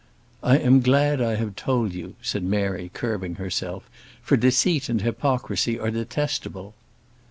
"I am glad I have told you," said Mary, curbing herself, "for deceit and hypocrisy are detestable."